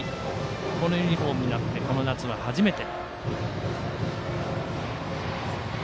このユニフォームになってこの夏は初めて。